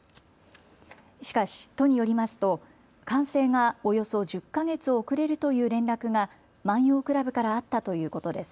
しかし都によりますと完成がおよそ１０か月遅れるという連絡が万葉倶楽部からあったということです。